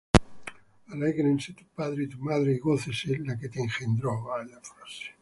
Alégrense tu padre y tu madre, Y gócese la que te engendró.